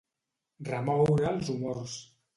Remoure els humors.